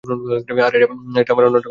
আর এটা আমার অন্যান্য কাজেও লাগে।